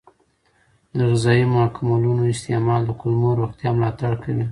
د غذایي ماکملونو استعمال د کولمو روغتیا ملاتړ کوي.